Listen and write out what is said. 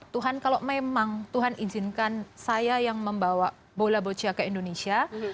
tuhan kalau memang tuhan izinkan saya yang membawa bola boccia ke indonesia